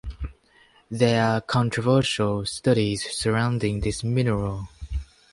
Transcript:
There are controversial studies surrounding this mineral.